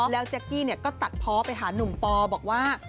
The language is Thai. แล้วแจ๊กกี้ก็ตัดเพาะไปหานุ่มปอบอกว่า